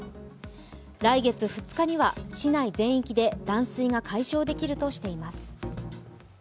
来月２日には市内全域で断水が解消できるとしています。